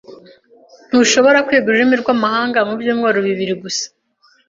Ntushobora kwiga ururimi rwamahanga mubyumweru bibiri gusa.